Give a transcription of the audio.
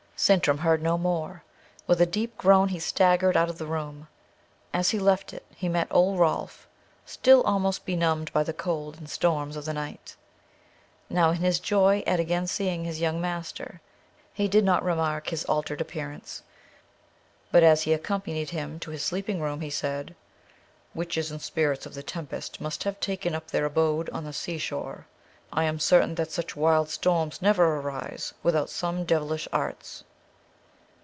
Sintram heard no more; with a deep groan he staggered out of the room. As he left it, he met old Rolf, still almost benumbed by the cold and storms of the night. Now, in his joy at again seeing his young master, he did not remark his altered appearance; but as he accompanied him to his sleeping room he said, "Witches and spirits of the tempest must have taken up their abode on the sea shore. I am certain that such wild storms never arise without some devilish arts."